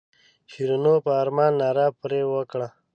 شیرینو په ارمان ناره پر وکړه.